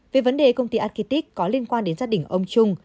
về vấn đề công ty aqitic có liên quan đến gia đình ông trung